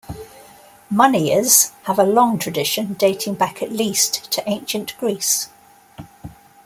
Moneyers have a long tradition, dating back at least to ancient Greece.